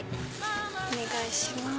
お願いします。